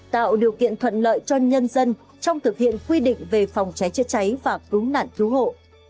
tạo điều kiện thuận lợi cho nhân dân trong thực hiện quy định về phòng cháy chữa cháy và cứu nạn cứu hộ